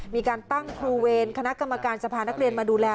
มีการตั้งครูเวรคณะกรรมการสภานักเรียนมาดูแล